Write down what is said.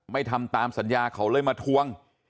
ทำตามสัญญาเขาเลยมาทวง